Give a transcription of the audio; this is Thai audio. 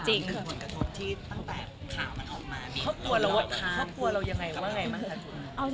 คำถามหนึ่งบทกระทบที่ตั้งแต่ข่าวมันออกมาความกลัวเราอย่างไรว่าไง